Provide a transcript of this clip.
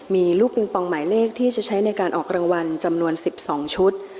มีลูกปิงปองหมายเลขที่จะใช้ในการออกรางวัลจำนวน๑๒ชุด